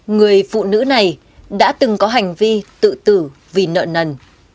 người phụ nữ này đã từng có hành vi tự tử vì nợ nần